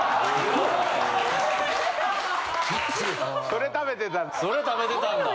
それ食べてたんだ。